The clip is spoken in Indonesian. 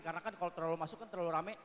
karena kan kalau terlalu masuk kan terlalu rame